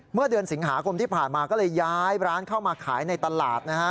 เมื่อเดือนสิงหาคมที่ผ่านมาก็เลยย้ายร้านเข้ามาขายในตลาดนะฮะ